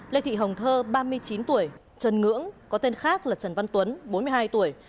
lê thị hồng thơ ba mươi chín tuổi trần ngưỡng có tên khác là trần văn tuấn bốn mươi hai tuổi